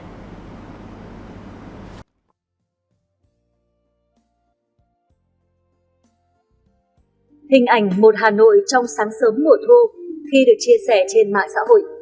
hình ảnh một hà nội trong sáng sớm mùa thu khi được chia sẻ trên mạng xã hội